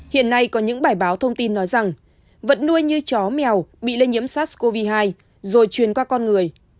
hiện nay có những bài báo thông tin nói rằng vật nuôi như chó mèo bị lây nhiễm sars cov hai rồi truyền qua con người